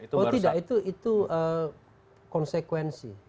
oh tidak itu konsekuensi